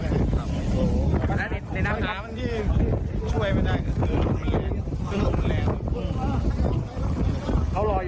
แล้วที่มันหลุดไปเพราะอะไรปกติไม่อยู่หรือเป็นไง